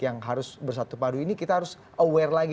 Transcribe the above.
yang harus bersatu padu ini kita harus aware lagi